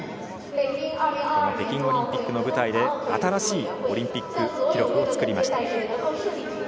北京オリンピックの舞台で新しいオリンピック記録を作りました。